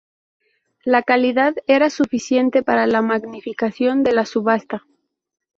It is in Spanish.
La calidad era suficiente para la magnificación de la subasta.